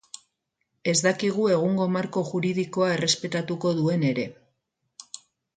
Ez dakigu egungo marko juridikoa errespetatuko duen ere.